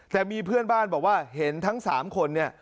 แต่มีเพื่อนบ้านบอกว่าเห็นทั้งสามคน